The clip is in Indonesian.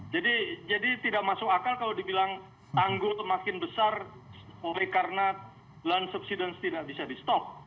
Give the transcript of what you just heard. jadi tidak masuk akal kalau dibilang tanggul semakin besar karena land subsidence tidak bisa di stop